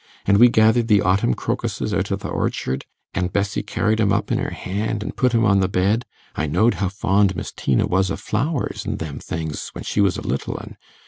An' we gathered the autumn crocuses out o' th' orchard, and Bessie carried 'em up in her hand, an' put 'em on the bed. I knowed how fond Miss Tina was o' flowers an' them things, when she was a little un.